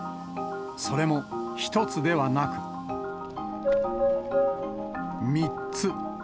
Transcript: それも１つではなく、３つ。